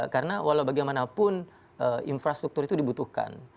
karena walaubagaimanapun infrastruktur itu dibutuhkan